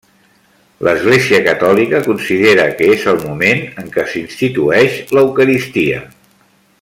L'Església Catòlica considera que és el moment en què s'institueix l'Eucaristia.